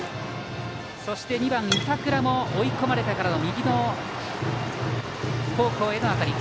そして２番、板倉も追い込まれてから右方向への当たり。